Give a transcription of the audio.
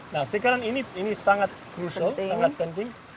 nah sekarang ini sangat penting